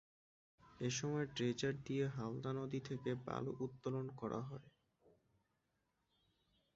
এ সময় ড্রেজার দিয়ে হালদা নদী থেকে বালু উত্তোলন করা হয়।